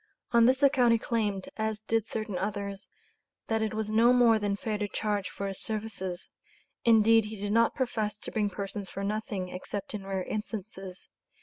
On this account he claimed, as did certain others, that it was no more than fair to charge for his services indeed he did not profess to bring persons for nothing, except in rare instances.